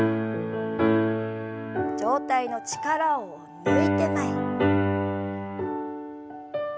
上体の力を抜いて前に。